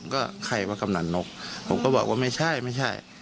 ก็ใครว่ากำหนันนกผมก็บอกว่าไม่ใช่